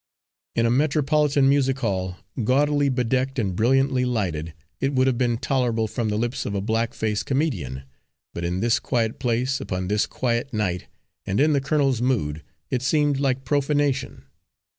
In a metropolitan music hall, gaudily bedecked and brilliantly lighted, it would have been tolerable from the lips of a black face comedian. But in this quiet place, upon this quiet night, and in the colonel's mood, it seemed like profanation.